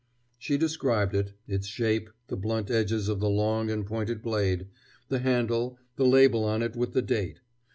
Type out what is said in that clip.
She described it, its shape, the blunt edges of the long and pointed blade, the handle, the label on it with the date.